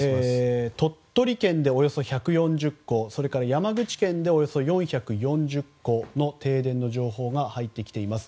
鳥取県でおよそ１４０戸それから山口県でおよそ４４０戸の停電の情報が入ってきています。